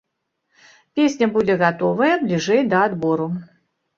Песня будзе гатовая бліжэй да адбору.